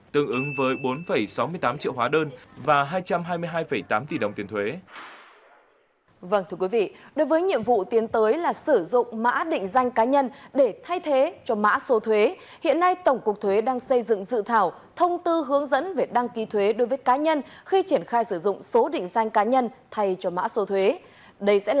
tương ứng với bốn sáu mươi tám triệu hóa đơn và hai trăm hai mươi hai tám tỷ đồng tiền thuế